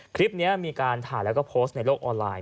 คลิปนี้มีการถ่ายแล้วก็โพสต์ในโลกออนไลน์